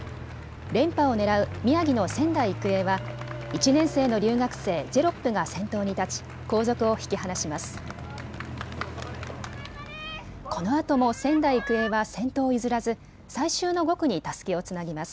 連覇を狙う宮城の仙台育英は１年生の留学生、ジェロップが先頭に立ち後続を引き離します。